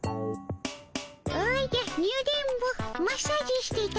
おじゃニュ電ボマッサージしてたも。